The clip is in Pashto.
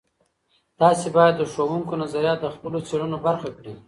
تاسې باید د ښوونکو نظریات د خپلو څیړنو برخه کړئ.